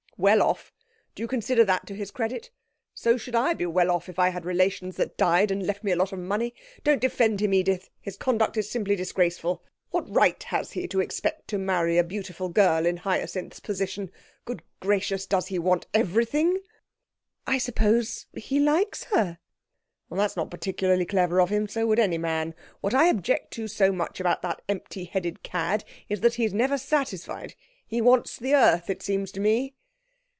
'Well off! Do you consider that to his credit. So should I be well off if I had relations that died and left me a lot of money. Don't defend him, Edith; his conduct is simply disgraceful. What right has he to expect to marry a beautiful girl in Hyacinth's position? Good gracious, does he want everything?' 'I suppose he likes her.' 'That's not particularly clever of him. So would any man. What I object to so much about that empty headed cad, is that he's never satisfied. He wants the earth, it seems to me!'